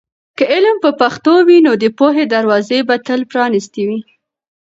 که علم په پښتو وي، نو د پوهې دروازې به تل پرانیستې وي.